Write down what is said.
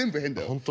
本当？